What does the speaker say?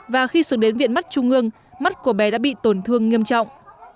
và khi xuống đến viện mắt trung ương mắt của bé đã bị tổn thương nghiêm trọng